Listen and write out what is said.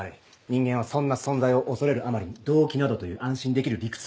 人間はそんな存在を恐れるあまりに動機などという安心できる理屈を。